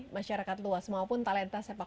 masyarakat luas maupun talenta sepak bola